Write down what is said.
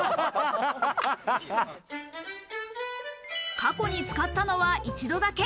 過去に使ったのは一度だけ。